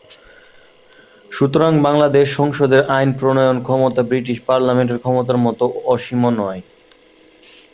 সুতরাং বাংলাদেশ সংসদের আইন প্রণয়ন ক্ষমতা ব্রিটিশ পার্লামেন্টের ক্ষমতার মতো অসীম নয়।